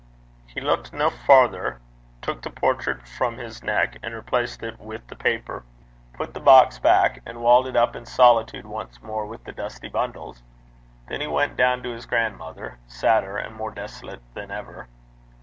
He looked no farther, took the portrait from his neck and replaced it with the paper, put the box back, and walled it up in solitude once more with the dusty bundles. Then he went down to his grandmother, sadder and more desolate than ever.